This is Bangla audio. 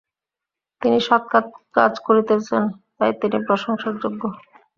তিনি সৎ কাজ করিতেছেন, তাই তিনি প্রশংসার যোগ্য।